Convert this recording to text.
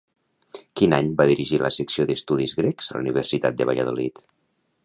Quin any va dirigir la secció d'Estudis Grecs a la Universitat de Valladolid?